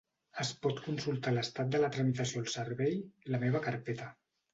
Es pot consultar l'estat de la tramitació al servei La meva carpeta.